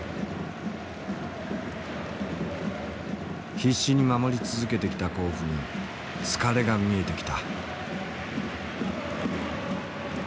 必死に守り続けてきた甲府に疲れが見えてきた。